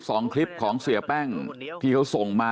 สองคลิปของเสียแป้งที่เขาส่งมา